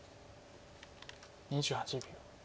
２８秒。